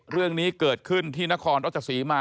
เรื่องนี้เกิดขึ้นที่นครรัชศรีมา